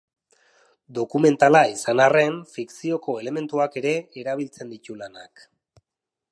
Dokumentala izan arren, fikzioko elementuak ere erabiltzen ditu lanak.